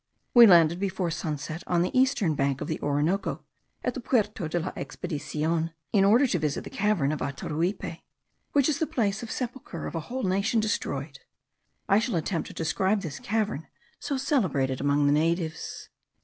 We landed before sunset on the eastern bank of the Orinoco, at the Puerto de la Expedicion, in order to visit the cavern of Ataruipe, which is the place of sepulchre of a whole nation destroyed. I shall attempt to describe this cavern, so celebrated among the natives.